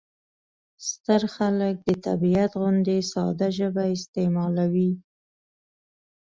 ستر خلک د طبیعت غوندې ساده ژبه استعمالوي.